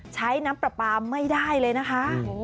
ใช้น้ำปลาปลาไม่ได้เลยนะคะ